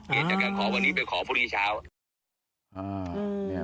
เดี๋ยวกันขอวันนี้ไปขอพรุ่งนี้เช้า